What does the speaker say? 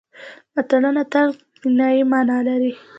متلونه تل کنايي مانا لري